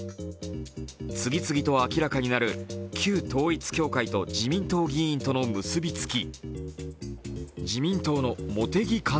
次々と明らかになる旧統一教会と自民党議員との結びつき。